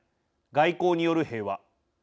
外交による平和。